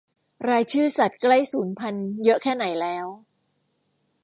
รายชื่อสัตว์ใกล้สูญพันธุ์เยอะแค่ไหนแล้ว